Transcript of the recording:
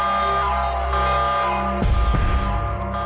ทรัพย์โทรศัพท์ให้ดู